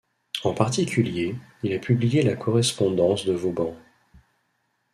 En particulier, il a publié la correspondance de Vauban.